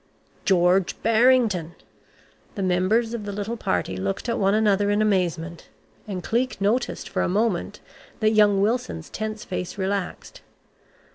George Barrington! The members of the little party looked at one another in amazement, and Cleek noticed for a moment that young Wilson's tense face relaxed.